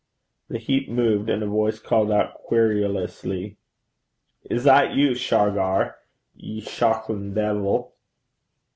The heap moved, and a voice called out querulously, 'Is that you, Shargar, ye shochlin deevil?'